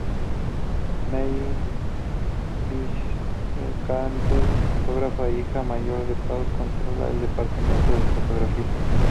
Mary McCartney, fotógrafa e hija mayor de Paul, controla el departamento de fotografía.